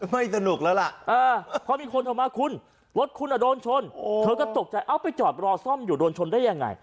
สนุกแล้วล่ะเพราะมีคนโทรมาคุณรถคุณโดนชนเธอก็ตกใจเอาไปจอดรอซ่อมอยู่โดนชนได้ยังไง